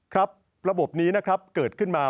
ครับระบบนี้เกิดขึ้นมา